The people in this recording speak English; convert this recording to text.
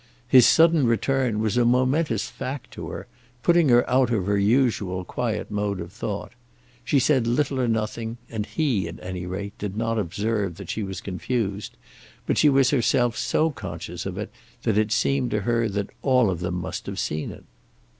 His sudden return was a momentous fact to her, putting her out of her usual quiet mode of thought. She said little or nothing, and he, at any rate, did not observe that she was confused; but she was herself so conscious of it, that it seemed to her that all of them must have seen it.